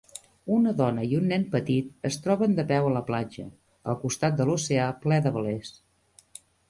Una dona i un nen petit es troben de peu a la platja, al costat de l'oceà ple de velers.